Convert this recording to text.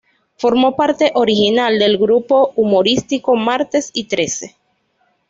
Formó parte original del grupo humorístico Martes y Trece.